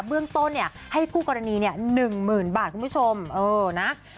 เบื้องต้นเนี่ยให้คู่กรณี๑๐๐๐บาทคุณผู้ชมเออนะ